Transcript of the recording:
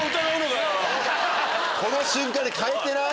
この瞬間に変えてない？